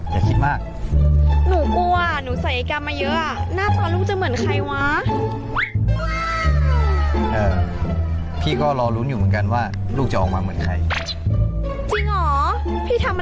ชั้นทำยังมีเหมือนใคร